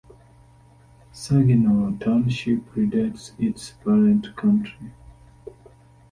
Saginaw Township predates its parent county.